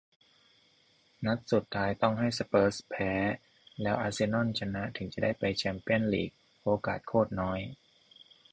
นัดสุดท้ายต้องให้สเปอร์สแพ้ แล้วอาร์เซนอลชนะ ถึงจะได้ไปแชมเปียนส์ลีก โอกาสโคตรน้อย